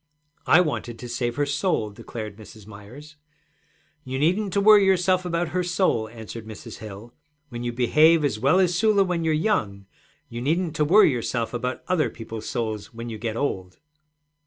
'I wanted to save her soul,' declared Mrs. Myers. 'You needn't to worry yourself about her soul,' answered Mrs. Hill. 'When you behave as well as Sula when you're young, you needn't to worry yourself about other people's souls when you get old.'